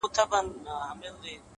• مزمن او ناعلاجه رنځ یوازنی طبیب دی ,